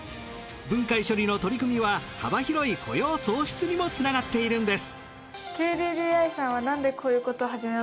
分解処理の取り組みは幅広い雇用創出にも繋がっているんです。